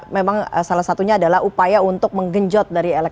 memang salah satunya adalah upaya untuk menggenjot dari elektronik